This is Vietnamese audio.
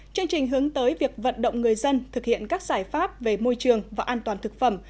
chương trình hướng tới việc vận động người dân thực hiện các giải pháp về môi trường và an toàn thực phẩm